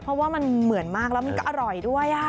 เพราะว่ามันเหมือนมากแล้วมันก็อร่อยด้วย